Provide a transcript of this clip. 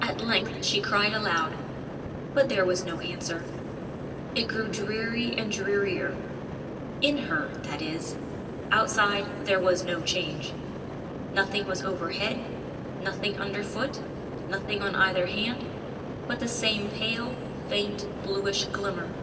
At length she cried aloud; but there was no answer. It grew dreary and drearier—in her, that is: outside there was no change. Nothing was overhead, nothing under foot, nothing on either hand, but the same pale, faint, bluish glimmer.